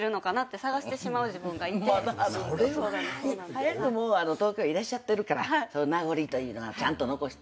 早く東京いらっしゃってるから名残というのちゃんと残して。